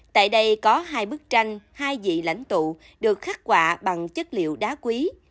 tại đây có hai bức tranh hai vị lãnh tụ được khắc quạ bằng chất liệu đá quý